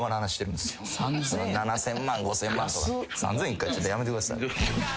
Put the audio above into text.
３，０００円１回ちょっとやめてください。